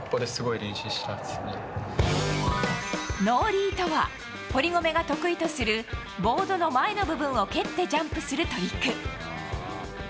ノーリーとは堀米が得意とするボードの前の部分を蹴ってジャンプするトリック。